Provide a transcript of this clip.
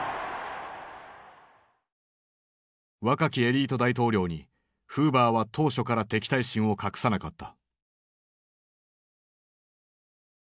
若きエリート大統領にフーバーは当初から敵対心を隠さなかった。